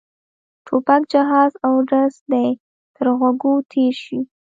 ټوپک جهاز او ډز دې تر غوږو تېر شي.